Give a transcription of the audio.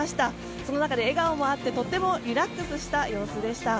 その中で笑顔もあってとてもリラックスした様子でした。